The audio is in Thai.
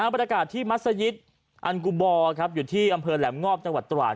บรรยากาศที่มัศยิตอันกุบออยู่ที่อำเภอแหลมงอบจังหวัดตราด